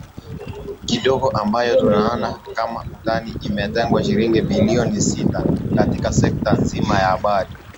kidogo ambayo tunaona kama utani Imetengwa shilingi Bilioni sita katika sekta nzima ya Habari